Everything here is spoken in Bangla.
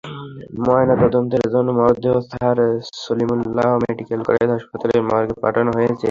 ময়নাতদন্তের জন্য মরদেহ স্যার সলিমুল্লাহ মেডিকেল কলেজ হাসপাতাল মর্গে পাঠানো হয়েছে।